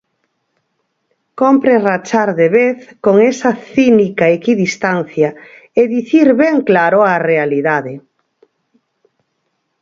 Cómpre rachar de vez con esa cínica equidistancia e dicir ben claro a realidade.